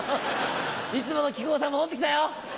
いつもの木久扇さん戻ってきたよ。